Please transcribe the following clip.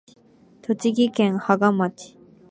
栃木県芳賀町